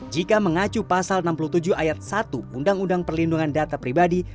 jika mengacu pasal enam puluh tujuh ayat satu undang undang perlindungan data pribadi